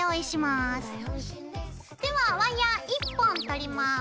ではワイヤー１本取ります。